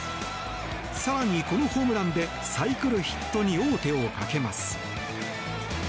更に、このホームランでサイクルヒットに王手をかけます。